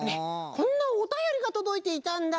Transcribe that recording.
こんなおたよりがとどいていたんだ。